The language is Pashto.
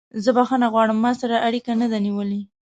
زه بخښنه غواړم ما سره اړیکه نه ده نیولې.